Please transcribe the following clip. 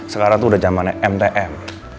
sekarang itu udah zamannya mtm